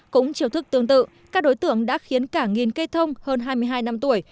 cũng chiều thức tương tự các đối tượng đã khiến cả nghìn cây thông hơn hai mươi hai năm tuổi